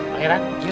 pak heran jalan